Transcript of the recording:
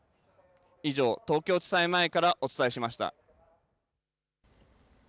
以上、東京地裁前からお伝えしました。